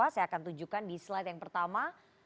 saya akan tunjukkan di slide yang pertama